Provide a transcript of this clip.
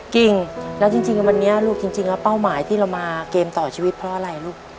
กิ่งแล้วจริงวันนี้ลูกจริงแล้วเป้าหมายที่เรามาเกมต่อชีวิตเพราะอะไรลูก